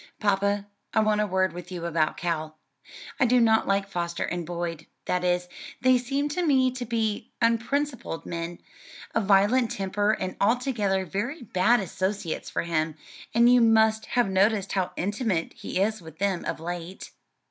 "Papa, I want a word with you about Cal. I do not like Foster and Boyd; that is, they seem to me to be unprincipled men, of violent temper and altogether very bad associates for him; and you must have noticed how intimate he is with them of late."